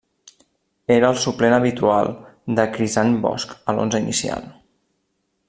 Era el suplent habitual de Crisant Bosch a l'onze inicial.